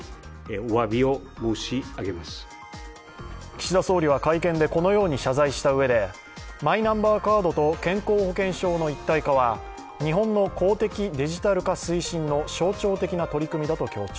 岸田総理は会見でこのように謝罪したうえでマイナンバーカードと健康保険証の一体化は日本の公的デジタル化推進の象徴的な取り組みだと強調。